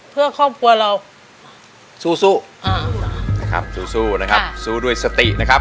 เพื่อครอบครัวเราสู้สู้นะครับสู้นะครับสู้ด้วยสตินะครับ